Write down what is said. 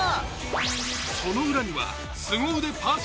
その裏にはよし！